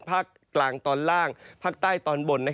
ภาคกลางตอนล่างภาคใต้ตอนบน